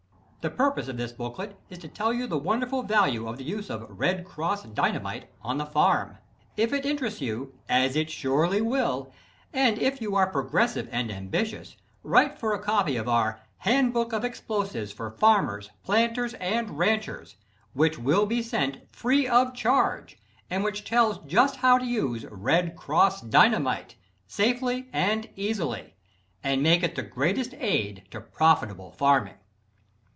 The purpose of this booklet is to tell you the wonderful value of the use of "Red Cross" Dynamite on the farm. If it interests you, as it surely will, and if you are progressive and ambitious, write for a copy of our "Handbook of Explosives for Farmers, Planters and Ranchers," which will be sent free of charge and which tells just how to use "Red Cross" Dynamite safely and easily, and make it the greatest aid to profitable farming.